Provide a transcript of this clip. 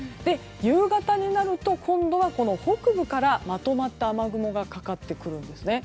夕方になると今度は北部からまとまった雨雲がかかってくるんですね。